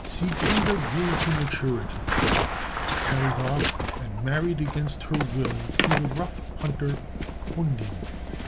Sieglinde, grown to maturity, was carried off and married against her will to the rough hunter, Hunding.